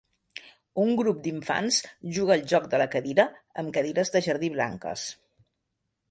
Un grup d'infants juga al joc de la cadira amb cadires de jardí blanques.